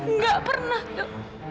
nggak pernah do